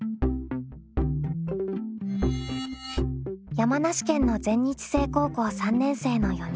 山梨県の全日制高校３年生の４人。